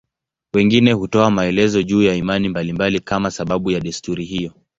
Wengine hutoa maelezo juu ya imani mbalimbali kama sababu ya desturi hiyo.